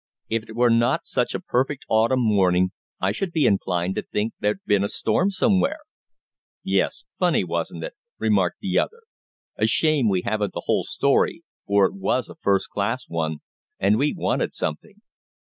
"If it were not such a perfect autumn morning, I should be inclined to think there'd been a storm somewhere." "Yes funny, wasn't it?" remarked the other. "A shame we haven't the whole story, for it was a first class one, and we wanted something.